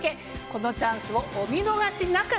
このチャンスをお見逃しなく！